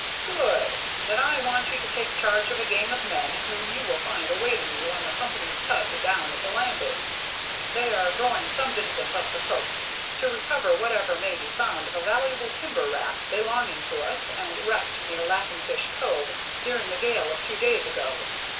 "Good! Then I want you to take charge of a gang of men whom you will find awaiting you on the company's tug down at the landing. They are going some distance up the coast, to recover whatever may be found of a valuable timber raft belonging to us, and wrecked near Laughing Fish Cove during the gale of two days ago.